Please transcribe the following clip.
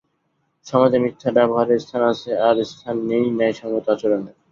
সমাজে মিথ্যা ব্যবহারের স্থান আছে আর স্থান নেই ন্যায়সংগত আচরণের?